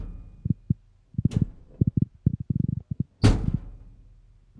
Efectuar estas llamadas constituye delito.